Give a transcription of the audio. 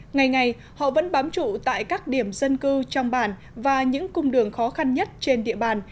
ngày ngày họ vẫn bám trụ tại các điểm dân cư trong bản và những cung đường khó khăn nhất trên địa bàn